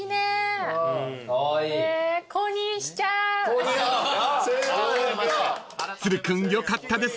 ［都留君よかったですね］